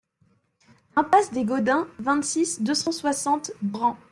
Impasse des Godins, vingt-six, deux cent soixante Bren